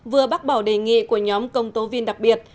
vừa bác bảo đề nghị của nhóm công nghiệp